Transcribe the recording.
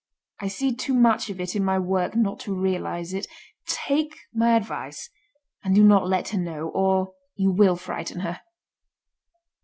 I see too much of it in my work not to realise it. Take my advice and do not let her know, or you will frighten her."